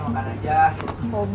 gak rifka makan aja